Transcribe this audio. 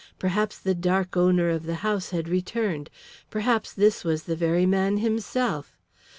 Perhaps the dark owner of the house had returned; perhaps this was the very man himself.